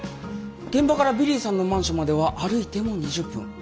現場からビリーさんのマンションまでは歩いても２０分。